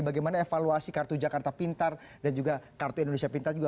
bagaimana evaluasi kartu jakarta pintar dan juga kartu indonesia pintar juga